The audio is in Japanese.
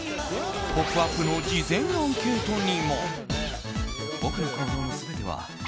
「ポップＵＰ！」の事前アンケートにも。